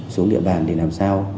xuống địa bàn để làm sao